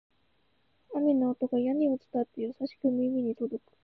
雨の音が屋根を伝って、優しく耳に届く